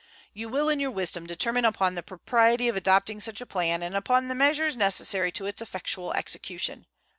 You will in your wisdom determine upon the propriety of adopting such a plan and upon the measures necessary to its effectual execution.